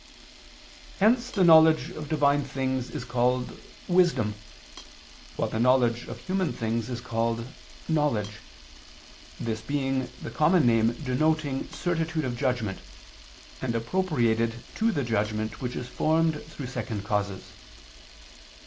Hence the knowledge of Divine things is called "wisdom," while the knowledge of human things is called "knowledge," this being the common name denoting certitude of judgment, and appropriated to the judgment which is formed through second causes.